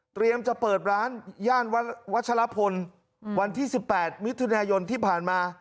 เตรียมจะเปิดร้านแย่นวัชละบลวันที่๑๘มิตรนายนท์ที่ผ่านมา